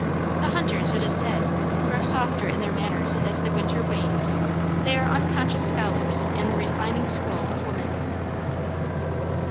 The hunters, it is said, grow softer in their manners as the winter wanes. They are unconscious scholars in the refining school of woman.